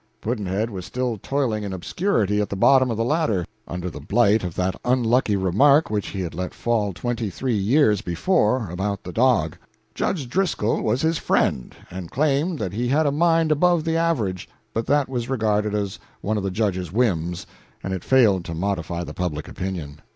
Pudd'nhead was still toiling in obscurity at the bottom of the ladder, under the blight of that unlucky remark which he had let fall twenty three years before about the dog. Judge Driscoll was his friend, and claimed that he had a mind above the average, but that was regarded as one of the Judge's whims, and it failed to modify the public opinion.